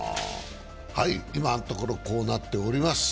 今のところこうなっております。